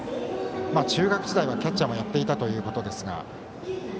中学時代はキャッチャーもやっていたということですが。